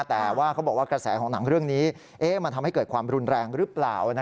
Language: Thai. แต่ว่าเขาบอกว่ากระแสของหนังเรื่องนี้มันทำให้เกิดความรุนแรงหรือเปล่า